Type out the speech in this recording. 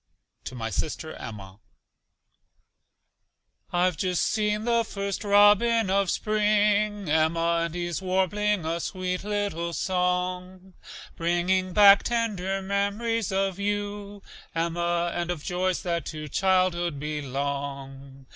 (To my sister Emma.) I've just seen the first robin of spring, Emma, And he's warbling a sweet little song, Bringing back tender mem'ries of you, Emma, And of joys that to childhood belong.